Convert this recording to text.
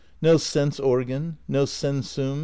No sense organ, no sensum.